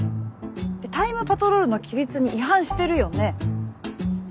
タイムパトロールの規律に違反してるよね。